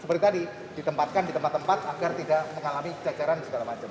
seperti tadi ditempatkan di tempat tempat agar tidak mengalami cacaran segala macam